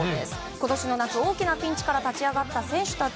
今年の夏、大きなピンチから立ち上がった選手たち。